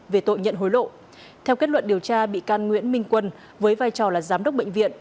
về tội nhận hối lộ theo kết luận điều tra bị can nguyễn minh quân với vai trò là giám đốc bệnh viện